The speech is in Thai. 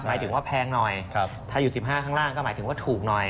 หมายถึงว่าแพงหน่อยถ้าอยู่๑๕ข้างล่างก็หมายถึงว่าถูกหน่อย